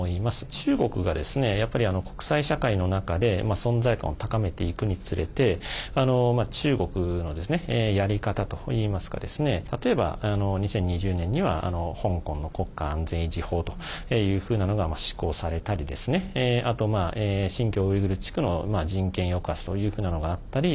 中国が、やっぱり国際社会の中で存在感を高めていくにつれて中国のやり方といいますか例えば、２０２０年には香港の国家安全維持法というふうなのが施行されたりあと、新疆ウイグル地区の人権抑圧というふうなのがあったり。